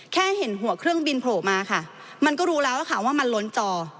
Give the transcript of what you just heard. แค่เห็นหัวเครื่องบินโผล่มาค่ะมันก็รู้แล้วค่ะว่ามันล้นจอ